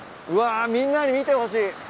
うわみんなに見てほしい。